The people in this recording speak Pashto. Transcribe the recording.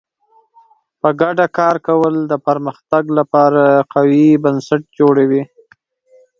په ګډه کار کول د پرمختګ لپاره قوي بنسټ جوړوي.